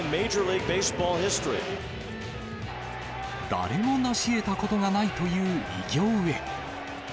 誰も成しえたことがないという偉業へ。